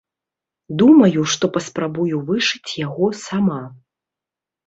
Думаю, што паспрабую вышыць яго сама!